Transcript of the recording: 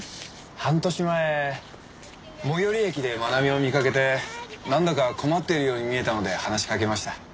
半年前最寄り駅で真奈美を見かけてなんだか困っているように見えたので話しかけました。